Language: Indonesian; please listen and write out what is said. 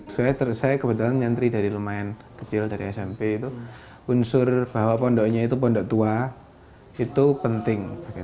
saya terus saya kebetulan nyantri dari lumayan kecil dari smp itu unsur bahwa pondoknya itu pondok tua itu penting